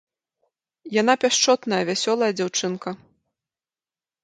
Яна пяшчотная, вясёлая дзяўчынка.